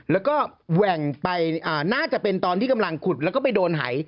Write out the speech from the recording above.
แล้วก็แหว่งไปน่าจะเป็นตอนที่กำลังขุดแล้วก็ไปโดนหาย